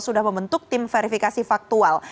sudah membentuk tim verifikasi faktual